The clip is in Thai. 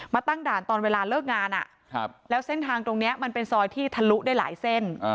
ตั้งด่านตอนเวลาเลิกงานแล้วเส้นทางตรงนี้มันเป็นซอยที่ทะลุได้หลายเส้น